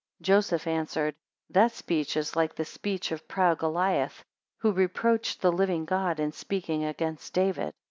9 Joseph answered, That speech is like the speech of proud Goliath, who reproached the living God in speaking against David.